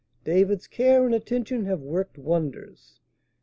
David's care and attention have worked wonders.